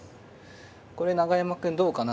これ永山くんどうかな